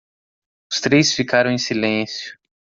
Os três ficaram em silêncio.